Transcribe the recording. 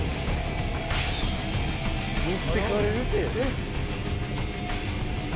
もってかれるて。